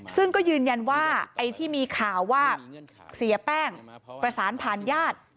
ซึ่งก็ยืนยันว่าไอ้ที่มีข่าวว่าเสียแป้งประสานผ่านญาติ